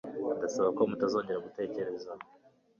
Ndasaba ko mutazongera gutegereza.